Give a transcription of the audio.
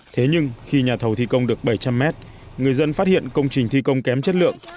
thế nhưng khi nhà thầu thi công được bảy trăm linh m người dân phát hiện công trình thi công kém chất lượng